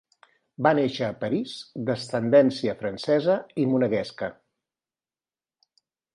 Va néixer a París d'ascendència francesa i monegasca.